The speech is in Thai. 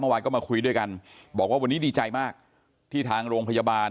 เมื่อวานก็มาคุยด้วยกันบอกว่าวันนี้ดีใจมากที่ทางโรงพยาบาล